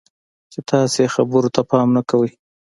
چې تاسې یې خبرو ته پام نه کوئ.